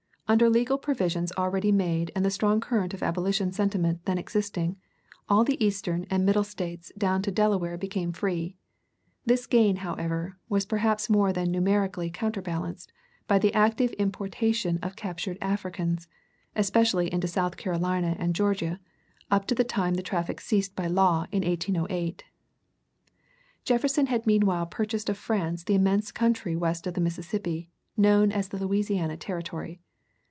Under legal provisions already made and the strong current of abolition sentiment then existing, all the Eastern and Middle States down to Delaware became free. This gain, however, was perhaps more than numerically counterbalanced by the active importation of captured Africans, especially into South Carolina and Georgia, up to the time the traffic ceased by law in 1808. Jefferson had meanwhile purchased of France the immense country west of the Mississippi known as the Louisiana Territory.